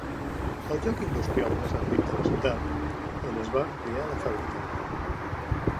El lloc industrial més antic de la ciutat, on es va ampliar la fàbrica.